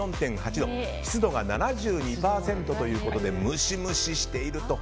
湿度が７２％ということでむしむししていると。